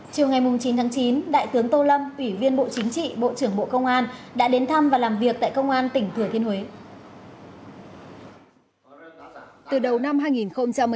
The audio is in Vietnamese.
chiều ngày chín tháng chín đại tướng tô lâm ủy viên bộ chính trị bộ trưởng bộ công an đã đến thăm và làm việc tại công an tỉnh thừa thiên huế